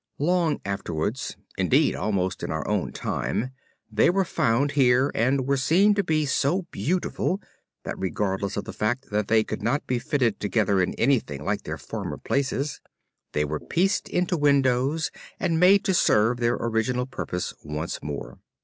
Long afterwards, indeed almost in our own time, they were found here and were seen to be so beautiful that regardless of the fact that they could not be fitted together in anything like their former places, they were pieced into windows and made to serve their original purpose once more.